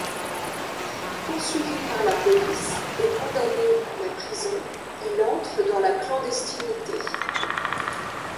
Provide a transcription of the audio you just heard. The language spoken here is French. Poursuivi par la police et condamné à la prison, il entre dans la clandestinité.